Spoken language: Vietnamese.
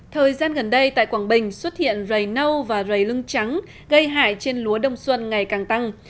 thời gian gần đây tại quảng bình xuất hiện rầy nâu và rầy lưng trắng gây hại trên lúa đông xuân ngày càng tăng